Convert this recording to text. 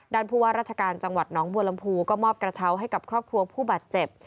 ผู้ว่าราชการจังหวัดน้องบัวลำพูก็มอบกระเช้าให้กับครอบครัวผู้บาดเจ็บ